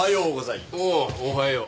おおおはよう。